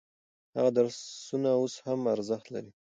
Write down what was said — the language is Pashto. هغه درسونه اوس هم ارزښت لري.